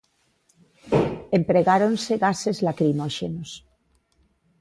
Empregáronse gases lacrimóxenos.